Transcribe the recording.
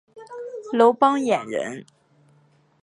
楼邦彦人。